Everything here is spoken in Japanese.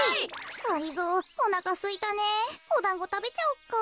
がりぞーおなかすいたねおだんごたべちゃおうか。